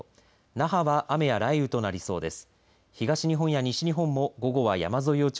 那覇は雨や雷雨となりそうです。